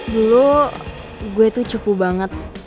dulu gue tuh cuku banget